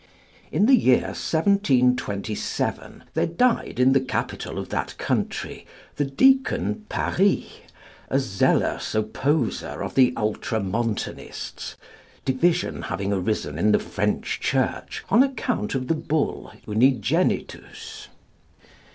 In the year 1727 there died in the capital of that country the Deacon Paris, a zealous opposer of the Ultramontanists, division having arisen in the French Church on account of the bull "Unigenitus."